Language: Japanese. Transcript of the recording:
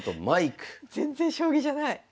全然将棋じゃない。